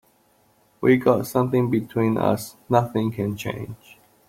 We've got something between us nothing can change.